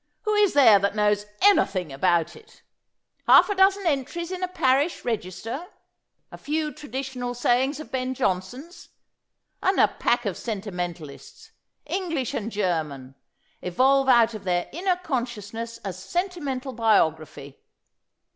' Who is there that knows anything about it ? Half a dozen entries in a parish register ; a few traditional sayings of Ben Jonson's ; and a pack of sentimentalists — English and German — evolve out of their inner consciousness a sentimental bio graphy.